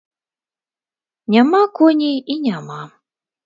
Няма коней і няма.